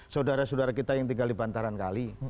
saudara saudara kita yang tinggal di bantaran kali